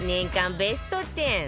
ベスト１０